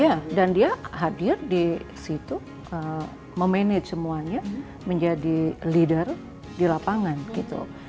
iya dan dia hadir di situ memanage semuanya menjadi leader di lapangan gitu